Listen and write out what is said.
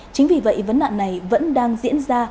chính vì vậy vấn nạn này vẫn đang diễn ra